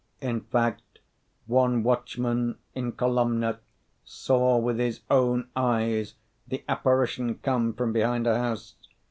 In fact, one watchman in Kolomna saw with his own eyes the apparition come from behind a house.